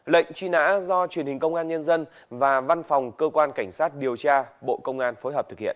lệnh truy nã do truyền hình công an nhân dân và văn phòng cơ quan cảnh sát điều tra bộ công an phối hợp thực hiện